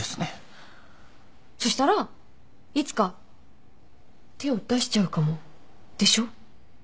そしたらいつか手を出しちゃうかもでしょ？